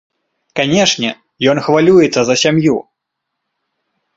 Канешне, ён хвалюецца за сям'ю.